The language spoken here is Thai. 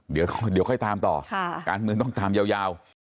เดี๋ยวค่อยตามต่อการเมืองต้องตามยาว